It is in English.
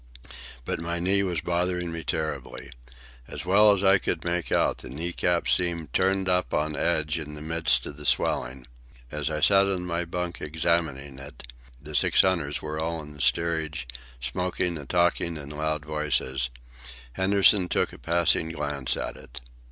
But my knee was bothering me terribly. As well as I could make out, the kneecap seemed turned up on edge in the midst of the swelling. As I sat in my bunk examining it (the six hunters were all in the steerage, smoking and talking in loud voices), Henderson took a passing glance at it.